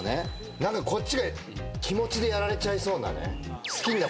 何かこっちが気持ちでやられちゃいそうなね。